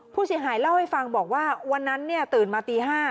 ภูชิหายเล่าให้ฟังบอกว่าวันนั้นเนี่ยตื่นมาตี๕